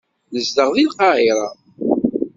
Nezdeɣ deg Lqahira.